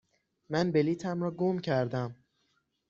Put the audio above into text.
من بلیطم را گم کردم.